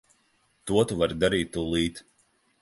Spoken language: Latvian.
To tu vari darīt tūlīt.